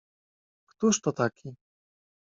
"Któż to taki?"